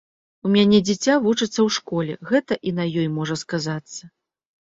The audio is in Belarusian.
У мяне дзіця вучыцца ў школе, гэта і на ёй можа сказацца.